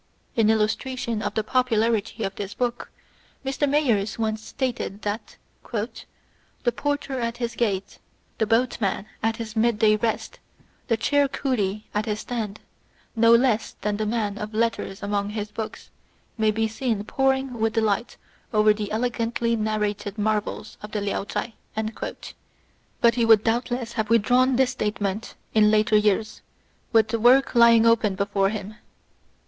In illustra tion of the popularity of this book, Mr. Mayers once stated that "the porter at his gate, the boat man at his mid day rest, the chair coolie at his stand, no less than the man of letters among his books, may be seen poring with delight over the elegantly narrated marvels of the Liao Chai;" but he would doubtless have withdrawn this judgment in later years, with the work lying open before him.